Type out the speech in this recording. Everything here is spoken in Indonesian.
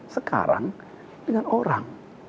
sekarang dengan orang